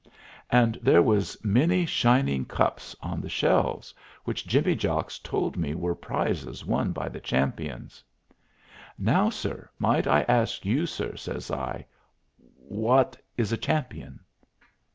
And there was many shining cups on the shelves, which Jimmy Jocks told me were prizes won by the champions. "Now, sir, might I ask you, sir," says I, "wot is a champion?"